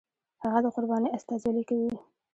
هغه د قربانۍ استازولي کوي.